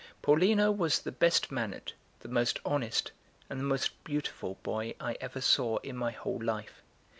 Paulino was the best mannered, the most honest, and the most beautiful boy I ever saw in my whole life.